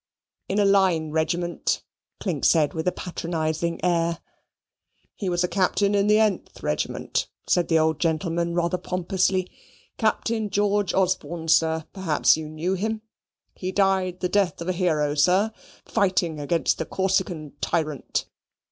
"In a line regiment," Clink said with a patronizing air. "He was a Captain in the th regiment," said the old gentleman rather pompously. "Captain George Osborne, sir perhaps you knew him. He died the death of a hero, sir, fighting against the Corsican tyrant."